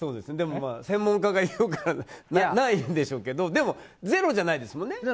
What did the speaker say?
でも、専門家が言うからないんでしょうけどでもゼロじゃないですもんね。